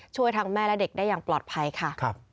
ช่วยทั้งแม่และเด็กได้อย่างปลอดภัยค่ะ